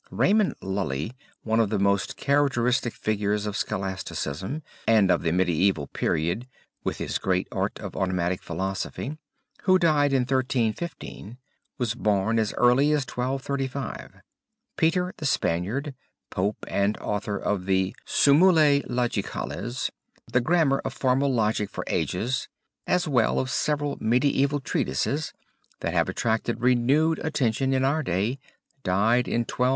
Raymond Lully, one of the most characteristic figures of Scholasticism and of the medieval period (with his "great art" of automatic philosophy), who died in 1315, was born as early as 1235. Peter the Spaniard, Pope and author of the Summulae Logicales, the grammar of formal logic for ages as well of several medieval treatises that have attracted renewed attention in our day, died in 1277.